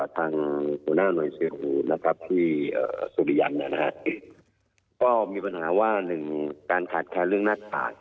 ทางหัวหน้าหน่วยซิลนะครับที่สุริยังเนี่ยนะครับก็มีปัญหาว่าหนึ่งการถัดแค้นเรื่องหน้ากาก